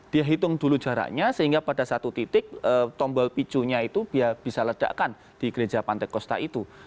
dia hitung dulu jaraknya sehingga pada satu titik tombol picunya itu dia bisa ledakan di gereja pantai kosta itu